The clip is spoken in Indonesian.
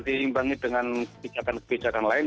diimbangi dengan kebijakan kebijakan lain